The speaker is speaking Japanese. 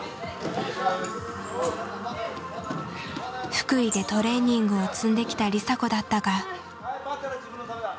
福井でトレーニングを積んできた梨紗子だったが。